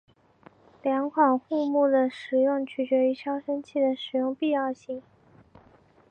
两款护木的使用取决于消声器的使用必要性。